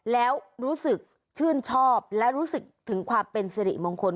แล้วรู้สึกชื่นชอบและรู้สึกถึงความเป็นสิริมงคล